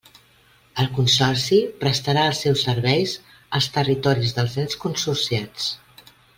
El Consorci prestarà els seus serveis als territoris dels ens consorciats.